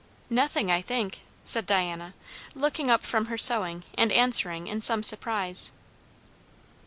"Nothing, I think," said Diana, looking up from her sewing and answering in some surprise.